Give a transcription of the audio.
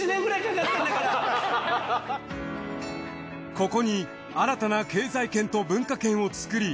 ここに新たな経済圏と文化圏を作り